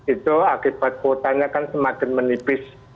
itu akibat kuotanya kan semakin menipis